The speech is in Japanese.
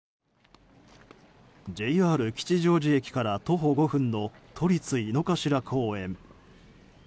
ＪＲ吉祥寺駅から徒歩５分の都立井の頭公園。